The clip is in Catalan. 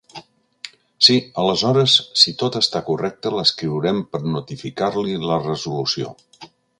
Sí, aleshores si tot està correcte l'escriurem per notificar-li la resolució.